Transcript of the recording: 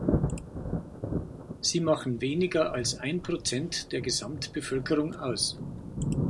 Sie machen weniger als ein Prozent der Gesamtbevölkerung aus.